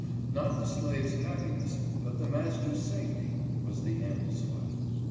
Not the slave's happiness but \ the master's safety, was the end sought.